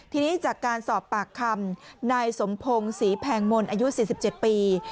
ทีนี้จากการสอบปากคำนายสมพงศรีแพงมนต์อายุ๔๗ปี